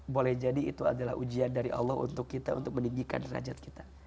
boleh jadi itu adalah ujian dari allah untuk kita untuk meninggikan derajat kita